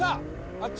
あっち！